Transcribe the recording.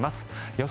予想